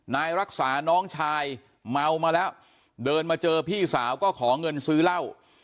นายรักษาน้องชายเมามาแล้วเดินมาเจอพี่สาวก็ขอเงินซื้อเหล้า